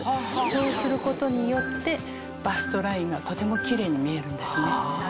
そうすることによってバストラインがとてもキレイに見えるんですね。